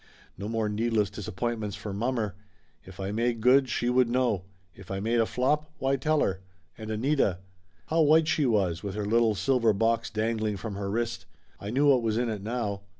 No more needless disappointments for mommer. If I made good she would know. If I made a flop why tell her? And Anita. How white she was, with her little 162 Laughter Limited silver box dangling from her wrist. I knew what was in it now.